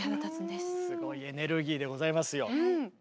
すごいエネルギーでございますよ。